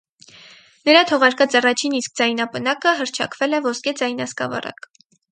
Նրա թողարկած առաջին իսկ ձայնապնակը հռչակվել է «ոսկե ձայնասկավառակ»։